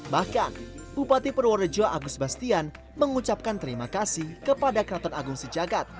bahkan bupati purworejo agus bastian mengucapkan terima kasih kepada keraton agung sejagat